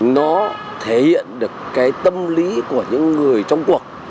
nó thể hiện được cái tâm lý của những người trong cuộc